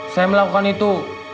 saya melakukan itu